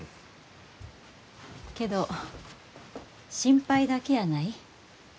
けど心配だけやない。